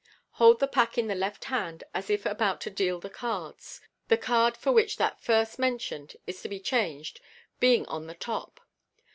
Hold )he pack in the left hand, as if about to deal the cards, the card for which that first mentioned is to be changed being on the top.